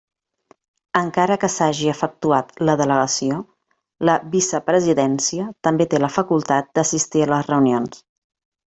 Encara que s'hagi efectuat la delegació la Vicepresidència també té la facultat d'assistir a les reunions.